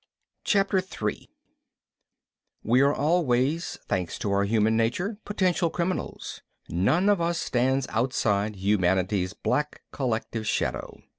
CHAPTER 3 _We are always, thanks to our human nature, potential criminals. None of us stands outside humanity's black collective shadow.